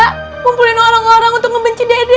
kumpulin orang orang untuk ngebenci dede